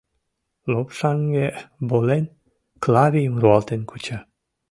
Лопшаҥге, волен, Клавийым руалтен куча.